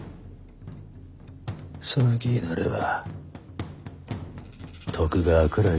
その気になれば徳川くらい潰せるぞ。